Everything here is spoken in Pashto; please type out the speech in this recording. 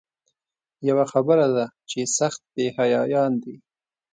یوه خبره ده چې سخت بې حیایان دي.